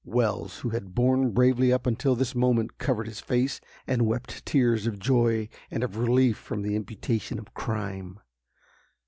Wells, who had borne bravely up until this moment, covered his face, and wept tears of joy and of relief from the imputation of crime.